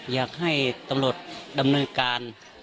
อยากให้ตำรวจดำเนินการ